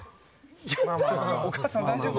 お母さん大丈夫？